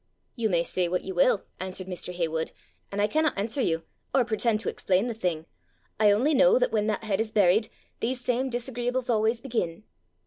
'You may say what you will,' answered Mr. Heywood, 'and I cannot answer you, or preten' to explain the thing; I only know that when that head is buried, these same disagreeables always begin.